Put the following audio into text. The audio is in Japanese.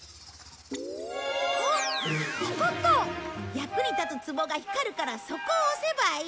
役に立つツボが光るからそこを押せばいい。